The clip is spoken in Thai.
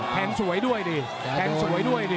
แทงสวยด้วยดิแทงสวยด้วยดิ